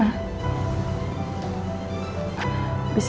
bapak mau mengadopsi rena